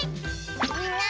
みんな！